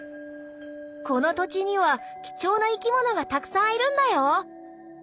「この土地には貴重な生き物がたくさんいるんだよ！」。